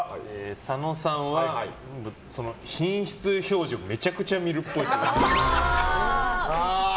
佐野さんは品質表示をめちゃくちゃ見るっぽい。